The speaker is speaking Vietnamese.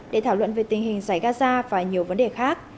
để thảo luận về tình hình giải gaza và nhiều vấn đề khác